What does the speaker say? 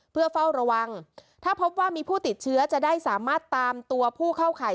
เพื่อเฝ้าระวังถ้าพบว่ามีผู้ติดเชื้อจะได้สามารถตามตัวผู้เข้าข่าย